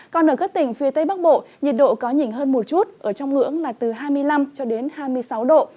còn ở các tỉnh phía tây bắc bộ nhiệt độ có nhỉnh hơn một chút ở trong ngưỡng là từ hai mươi năm hai mươi sáu độ